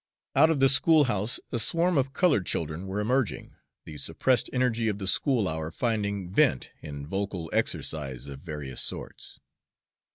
Out of the schoolhouse a swarm of colored children were emerging, the suppressed energy of the school hour finding vent in vocal exercise of various sorts.